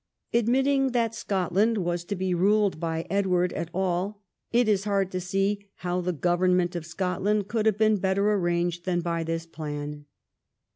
Admitting that Scotland was to be ruled by Edward at all, it is hard to see how the government of Scotland could have been better arranged than by this plan.